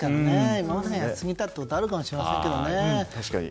今までが安すぎたということもあるかもしれませんけどね。